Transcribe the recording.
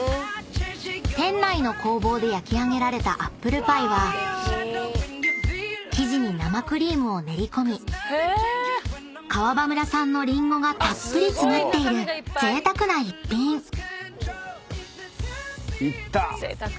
［店内の工房で焼き上げられたアップルパイは生地に生クリームを練り込み川場村産のリンゴがたっぷり詰まっているぜいたくな一品］いった。